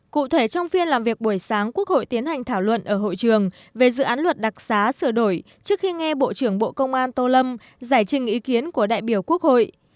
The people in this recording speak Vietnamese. cụ thể trong phiên làm việc buổi sáng quốc hội tiến hành thảo luận ở hội trường về dự án luật đặc xá sửa đổi trước khi nghe bộ trưởng bộ công an tô lâm giải trình ý kiến của đại biểu quốc hội